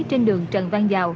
trên đường trần văn dào